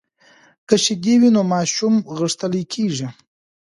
که شیدې وي نو ماشوم غښتلۍ کیږي.